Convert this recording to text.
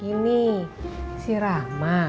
gini si rahma